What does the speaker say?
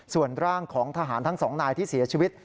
ส่วนร่างของทหารทั้งสองนายที่เสียชีวิต